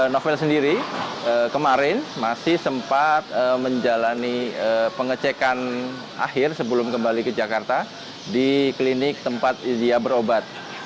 novel sendiri kemarin masih sempat menjalani pengecekan akhir sebelum kembali ke jakarta di klinik tempat dia berobat